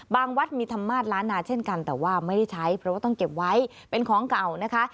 วัดมีธรรมาสล้านนาเช่นกันแต่ว่าไม่ได้ใช้เพราะว่าต้องเก็บไว้เป็นของเก่านะคะ